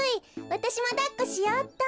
わたしもだっこしようっと。